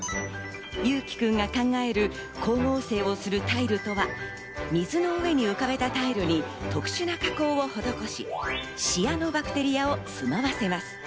侑輝くんが考える光合成をするタイルとは、水に浮かべたタイルに特殊な加工を施し、シアノバクテリアを忍ばせます。